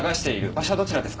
場所はどちらですか？